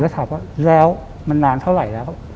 ถามว่าแล้วมันนานเท่าไหร่แล้ว